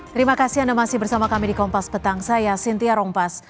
terima kasih anda masih bersama kami di kompas petang saya sintia rompas